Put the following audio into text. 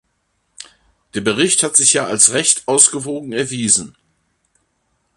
Der Bericht hat sich ja als recht ausgewogen erwiesen.